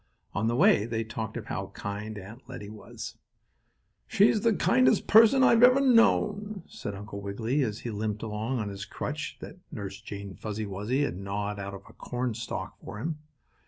On the way they talked of how kind Aunt Lettie was. "She's the kindest person I have ever known," said Uncle Wiggily, as he limped along on his crutch that Nurse Jane Fuzzy Wuzzy had gnawed out of a cornstalk for him.